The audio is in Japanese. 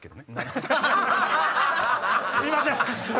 すいません！